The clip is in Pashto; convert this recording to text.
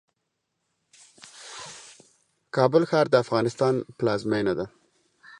کابل ښار د افغانستان پلازمېنه ده